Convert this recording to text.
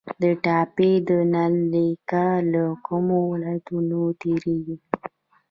د ټاپي نل لیکه له کومو ولایتونو تیریږي؟